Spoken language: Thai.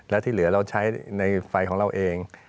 และที่เหลือเราใช้ในไฟของเราเอง